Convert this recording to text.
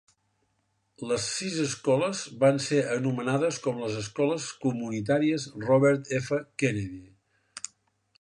Les sis escoles van ser anomenades com les Escoles Comunitàries Robert F. Kennedy.